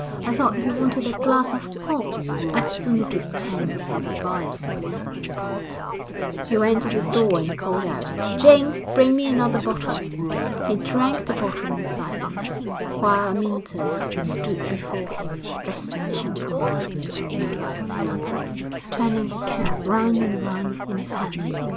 I thought you wanted a glass of port. I'd sooner give ten men advice than one man port.' He went to the door and called out, 'Jane, bring me another bottle.' He drank the bottle in silence, while Amyntas stood before him, resting now upon one leg now upon another, turning his cap round and round in his hands.